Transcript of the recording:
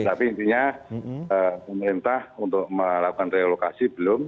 sebenarnya pemerintah untuk melakukan relokasi belum